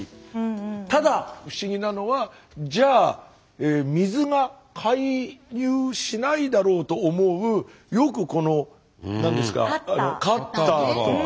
ただ不思議なのはじゃあ水が介入しないだろうと思うよくこの何ですかカッターとか。